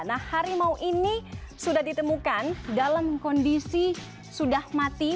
nah harimau ini sudah ditemukan dalam kondisi sudah mati